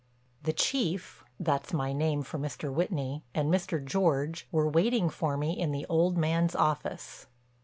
The Chief—that's my name for Mr. Whitney—and Mr. George were waiting for me in the old man's office.